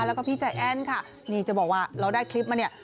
แล้วก็พี่ใจแอ้นค่ะนี่จะบอกว่าเราได้คลิปมาเนี่ย